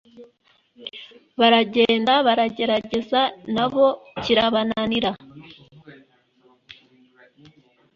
baragenda, baragerageza na bo kirabananira.